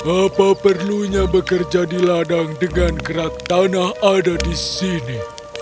apa perlunya bekerja di ladang dengan gerak tanah ada di sini